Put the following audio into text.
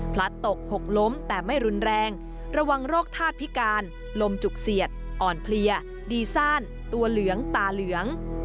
ตกหกล้มแต่ไม่รุนแรงระวังโรคทาสพิการลมจุกเสียดอ่อนเพลียดีซ่านตัวเหลืองตาเหลือง